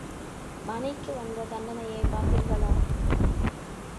மணிக்கு வந்த தண்டனையைப் பார்த்தீர்களா?